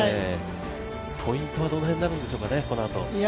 ポイントはどの辺になるんでしょうかね、このあと。